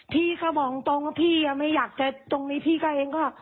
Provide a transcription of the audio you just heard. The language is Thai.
พี่ก็บอกตรงว่าพี่ไม่อยากจะตรงนี้พี่ก็เองก็